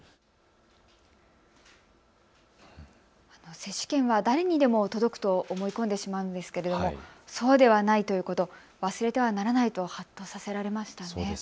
接種券は誰にでも届くと思い込んでしまうんですけれどもそうではないということ、忘れてはならないとはっとさせられました。